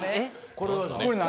これは何？